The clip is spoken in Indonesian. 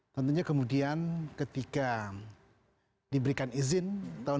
tentunya kemudian ketika diberikan izin tahun dua ribu dua puluh